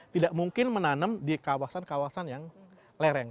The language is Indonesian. tidak mungkin menanam di kawasan kawasan yang lereng